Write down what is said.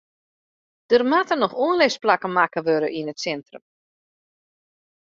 Der moatte noch oanlisplakken makke wurde yn it sintrum.